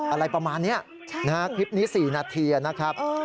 อะไรประมาณนี้นะฮะคลิปนี้๔นาทีนะครับ